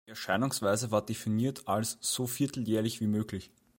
Die Erscheinungsweise war definiert als „so vierteljährlich wie möglich“.